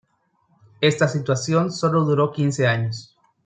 Esta situación sólo duró quince años.